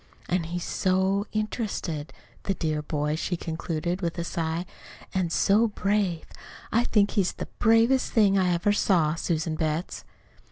"An' he's so interested the dear boy!" she concluded, with a sigh. "An' so brave! I think he's the bravest thing I ever saw, Susan Betts."